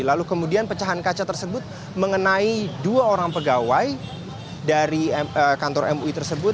lalu kemudian pecahan kaca tersebut mengenai dua orang pegawai dari kantor mui tersebut